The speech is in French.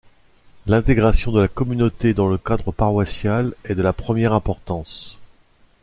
L’intégration de la communauté dans le cadre paroissial est de la première importance.